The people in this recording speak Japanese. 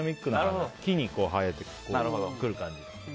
木に生えてくる感じ。